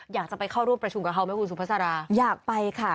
อยากจะไปเข้าร่วมประชุมกับเขาไหมคุณสุภาษาอยากไปค่ะ